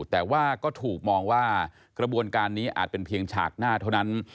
แต่ว่าก็ถูกมองว่ากระบวนการนี้อาจเป็นเพียงฉากหน้าเท่านั้น